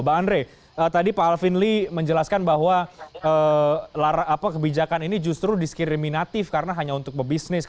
bang andre tadi pak alvin lee menjelaskan bahwa kebijakan ini justru diskriminatif karena hanya untuk pebisnis